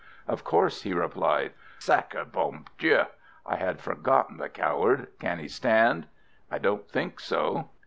"Of course," he replied. "Sacré bon Dieu! I had forgotten the coward. Can he stand?" "I don't think so."